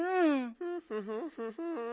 フフフフフン。